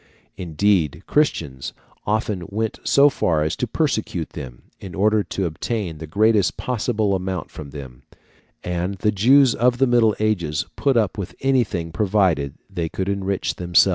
Indeed, Christians often went so far as to persecute them, in order to obtain the greatest possible amount from them; and the Jews of the Middle Ages put up with anything provided they could enrich themselves.